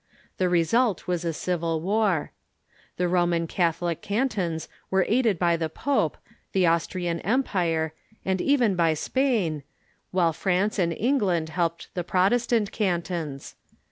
The result was a civil war. The Roman Catholic cantons were aided by the pope, the Austrian empire, and even by Spain, while France and Eng land helped the Protestant cantons.